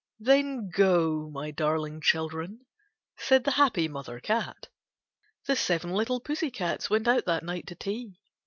'* Then go, my darling children,' said the happy Mother Cat. The seven little pussy cats went out that night to tea.